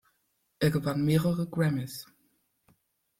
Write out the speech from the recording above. Er gewann mehrere Grammys.